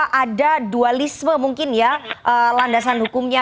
ada dualisme mungkin ya landasan hukumnya